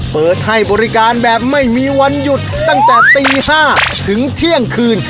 เปิดให้บริการแบบไม่มีวันหยุดตั้งแต่ตี๕ถึงเที่ยงคืน